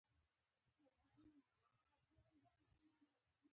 کلیسا د مالیې اخیستلو حق له لاسه ورکړ.